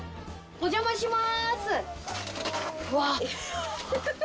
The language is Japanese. お邪魔します。